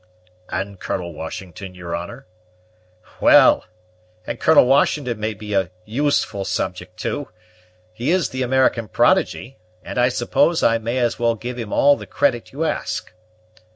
"And Colonel Washington, your honor?" "Well! and Colonel Washington may be a useful subject too. He is the American prodigy; and I suppose I may as well give him all the credit you ask.